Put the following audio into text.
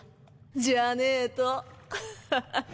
じゃねえとハハハ！